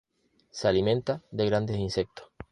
Se alimenta de insectos grandes.